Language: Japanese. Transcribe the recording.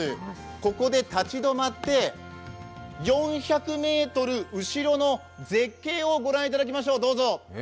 ここで立ち止まって、４００ｍ後ろの絶景をご覧いただきましょう、どうぞ。